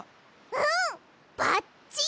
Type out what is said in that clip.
うんばっちり！